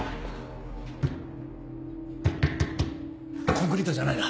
コンクリートじゃないな。